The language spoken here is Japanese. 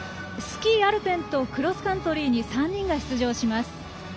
スキー・アルペンとクロスカントリーに３人が出場します。